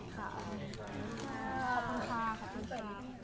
ขอบคุณค่ะ